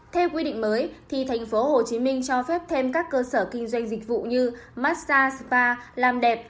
theo quy định mới tp hcm cho phép thêm các cơ sở kinh doanh dịch vụ như massage spa làm đẹp